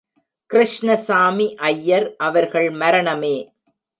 கிருஷ்ணசாமி ஐயர் அவர்கள் மரணமே.